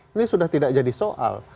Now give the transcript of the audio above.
ini sudah tidak jadi soal